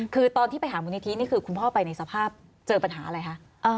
คือตอนที่ไปหามูลนิธินี่คือคุณพ่อไปในสภาพเจอปัญหาอะไรคะ